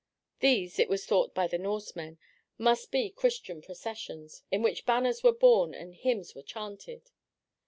These, it was thought by the Norsemen, must be Christian processions, in which banners were borne and hymns were chanted.